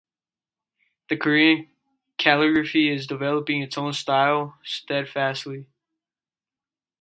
The Korean calligraphy is developing its own style, steadfastly.